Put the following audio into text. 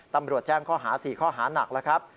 ตำรวจแจ้งข้อหา๔ข้อหานักแล้วครับ